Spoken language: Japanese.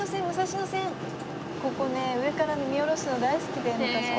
ここね上から見下ろすの大好きで昔から。